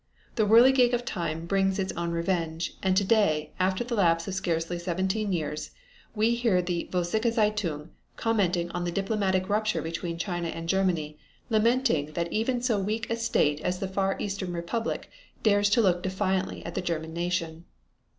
The whirligig of time brings its own revenge, and today, after the lapse of scarcely seventeen years, we hear the Vossiche Zeitung commenting on the diplomatic rupture between China and Germany, lamenting that even so weak a state as the Far Eastern Republic dares look defiantly at the German nation."